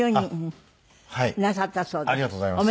ありがとうございます。